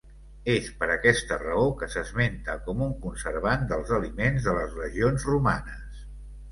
És per aquesta raó que s'esmenta com un conservant dels aliments de les legions romanes.